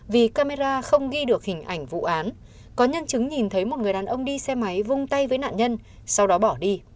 vì camera không ghi được hình ảnh vụ án có nhân chứng nhìn thấy một người đàn ông đi xe máy vung tay với nạn nhân sau đó bỏ đi